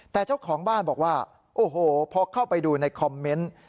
แต่เจ้าของบ้านบอกว่าโอ้โหพอเข้าไปดูในคอมเมนต์